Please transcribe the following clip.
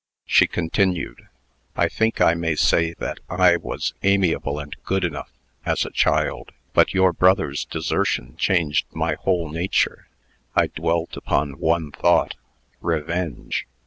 She continued: "I think I may say that I was amiable and good enough, as a child. But your brother's desertion changed my whole nature. I dwelt upon one thought revenge.